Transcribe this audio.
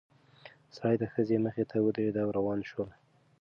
سړی د ښځې مخې ته ودرېد او روان شول.